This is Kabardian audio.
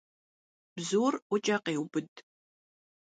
Bzur 'Uç'e khêubıd.